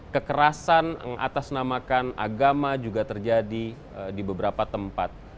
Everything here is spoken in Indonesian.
kekerasan atas namakan agama juga terjadi di beberapa tempat